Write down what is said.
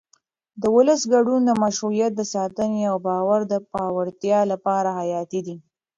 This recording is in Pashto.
د ولس ګډون د مشروعیت د ساتنې او باور د پیاوړتیا لپاره حیاتي دی